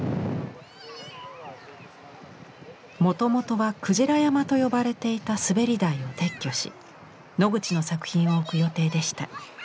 もともとはクジラ山と呼ばれていた滑り台を撤去しノグチの作品を置く予定でした。